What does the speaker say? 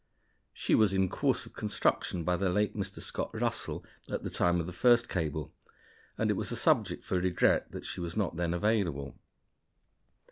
She was in course of construction by the late Mr. Scott Russell at the time of the first cable, and it was a subject for regret that she was not then available.